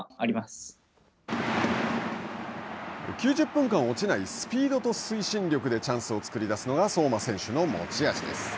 ９０分間落ちないスピードと推進力でチャンスを作りだすのが相馬選手の持ち味です。